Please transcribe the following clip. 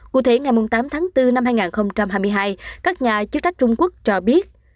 cụ thể ngày tám tháng bốn năm hai nghìn hai mươi hai các nhà chức trách trung quốc cho biết